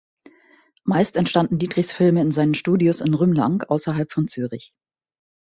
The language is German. Meist entstanden Dietrichs Filme in seinen Studios in Rümlang ausserhalb von Zürich.